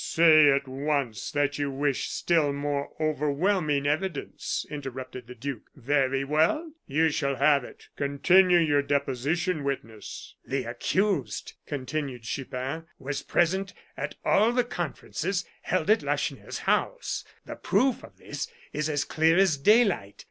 "Say at once that you wish still more overwhelming evidence," interrupted the duke. "Very well! You shall have it. Continue your deposition, witness." "The accused," continued Chupin, "was present at all the conferences held at Lacheneur's house. The proof of this is as clear as daylight.